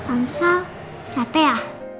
amsal capek ya